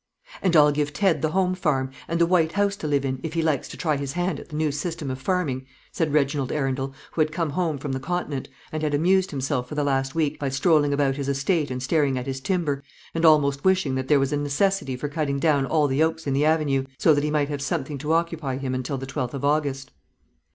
"And I'll give Ted the home farm, and the white house to live in, if he likes to try his hand at the new system of farming," said Reginald Arundel, who had come home from the Continent, and had amused himself for the last week by strolling about his estate and staring at his timber, and almost wishing that there was a necessity for cutting down all the oaks in the avenue, so that he might have something to occupy him until the 12th of August.